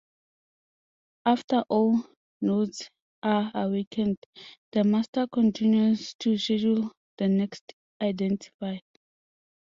After all nodes are awakened, the Master continues to schedule the next Identifier.